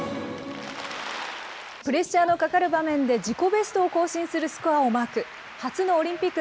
プレッシャーのかかる場面で、自己ベストを更新するスコアをマーク。